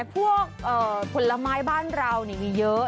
ผลไม้บ้านเรามีเยอะ